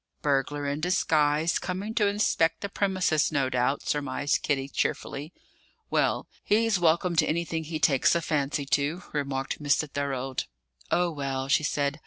"Burglar in disguise, coming to inspect the premises, no doubt," surmised Kitty cheerfully. "Well, he's welcome to anything he takes a fancy to," remarked Mr. Thorold. "Oh, well!" she said.